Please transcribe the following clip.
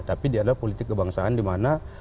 tapi dia adalah politik kebangsaan dimana